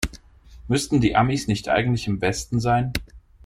Müssten die Amis nicht eigentlich im Westen sein?